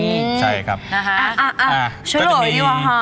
อะชี้หลอดมากเลยว่ะฮะ